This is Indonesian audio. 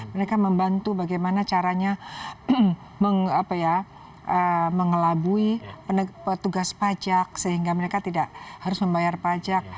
mereka membantu bagaimana caranya mengelabui petugas pajak sehingga mereka tidak harus membayar pajak